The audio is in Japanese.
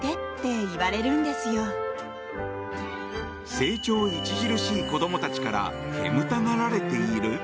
成長著しい子供たちから煙たがられている。